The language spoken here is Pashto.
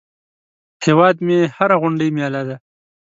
هیواد مې هره غونډۍ مېله ده